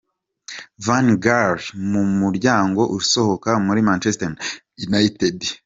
Van Gaal mu muryango usohoka muri Manchester United.